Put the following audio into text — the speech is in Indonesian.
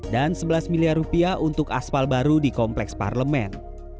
dan sebelas miliar rupiah untuk aspal baru di kompleks parlemen